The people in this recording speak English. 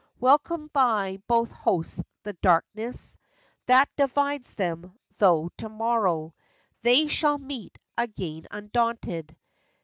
Welcomed by both hosts the darkness That divides them; tho' to morrow They shall meet again undaunted.